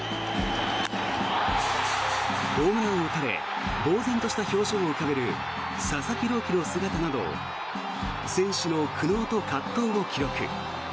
ホームランを打たれぼうぜんとした表情を浮かべる佐々木朗希の姿など選手の苦悩と葛藤を記録。